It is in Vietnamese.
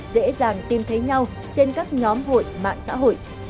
dễ dàng tìm thấy nhau trên các nhóm hội mạng xã hội